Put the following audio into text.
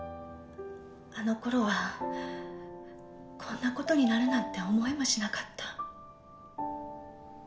あの頃はこんな事になるなんて思いもしなかった。